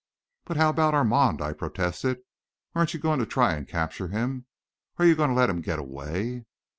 "But how about Armand?" I protested. "Aren't you going to try to capture him? Are you going to let him get away?"